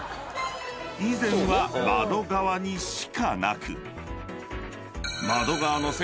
［以前は窓側にしかなく］